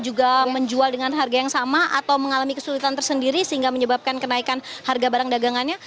juga menjual dengan harga yang sama atau mengalami kesulitan tersendiri sehingga menyebabkan kenaikan harga barang dagangannya